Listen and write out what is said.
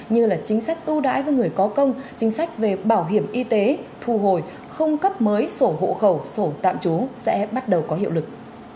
như chính sách ưu đãi với người có công chính sách về bảo hiểm y tế thu hồi không cấp mới sổ hộ khẩu sổ tạm trú sẽ bắt đầu có hiệu lực